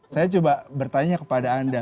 saya coba bertanya kepada anda